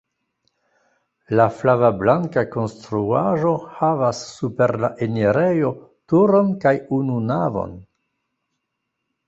La flava-blanka konstruaĵo havas super la enirejo turon kaj unu navon.